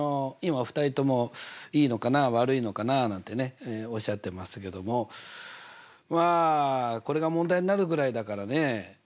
今お二人ともいいのかなあ悪いのかなあなんてねおっしゃってましたけどもまあこれが問題になるぐらいだからねえ。